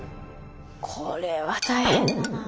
これは大変だなあ。